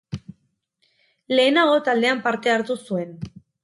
Lehenago taldean parte hartu zuen.